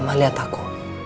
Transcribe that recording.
mama liat aku